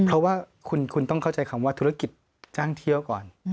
เพราะว่าคุณต้องเข้าใจคำว่าธุรกิจจ้างเที่ยวก่อน